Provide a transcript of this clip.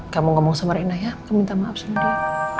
kamu ngomong sama rina ya kamu minta maaf sama dia